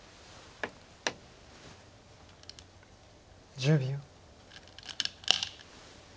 １０秒。